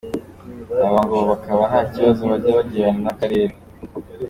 Aba ngo bakaba nta kibazo bajya bagirana n’akarere.